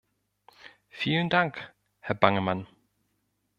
Vielen Dank, Herr Bangemann.